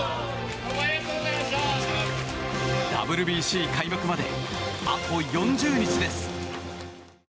ＷＢＣ開幕まであと４０日です。